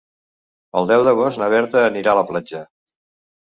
El deu d'agost na Berta anirà a la platja.